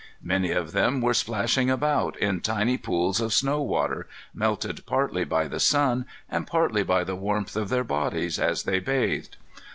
Many of them were splashing about in tiny pools of snow water, melted partly by the sun and partly by the warmth of their bodies as they bathed.